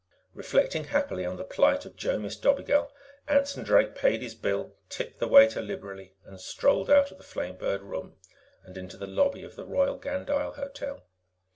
Reflecting happily on the plight of Jomis Dobigel, Anson Drake paid his bill, tipped the waiter liberally, and strolled out of the Flamebird Room and into the lobby of the Royal Gandyll Hotel.